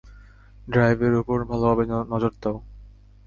ড্রাইভের উপর ভালোভাবে নজর দাও।